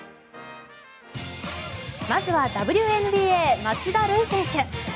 まずはＷＮＢＡ町田瑠唯選手。